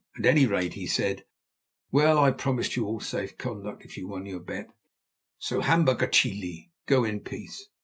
At any rate, he said: "Well, I promised you all safe conduct if you won your bet, so hamba gachlé (go in peace).